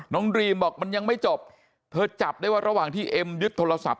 ดรีมบอกมันยังไม่จบเธอจับได้ว่าระหว่างที่เอ็มยึดโทรศัพท์